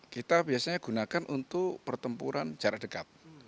kita biasanya gunakan untuk pertempuran jarak dekat